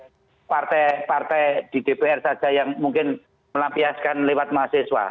hanya partai partai di dpr saja yang mungkin melampiaskan lewat mahasiswa